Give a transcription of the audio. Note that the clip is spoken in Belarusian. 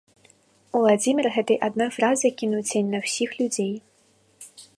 Уладзімір гэтай адной фразай кінуў цень на ўсіх людзей.